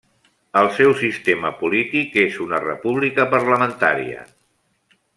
El seu sistema polític és una república parlamentària.